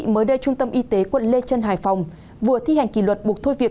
mới đây trung tâm y tế quận lê trân hải phòng vừa thi hành kỷ luật buộc thôi việc